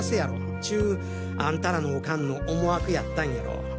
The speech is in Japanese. っちゅうアンタらのオカンの思惑やったんやろ。